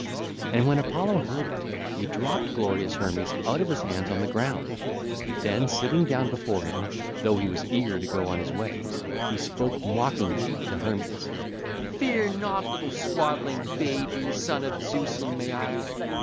And when Apollo heard it, he dropped glorious Hermes out of his hands on the ground: then sitting down before him, though he was eager to go on his way, he spoke mockingly to Hermes: (ll. 301 303) 'Fear not, little swaddling baby, son of Zeus and Maia.